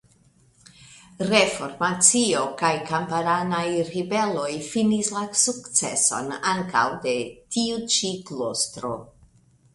Reformacio kaj kamparanaj ribeloj finis la sukceson ankaŭ de tiu ĉi klostro.